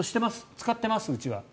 使ってます、うちは。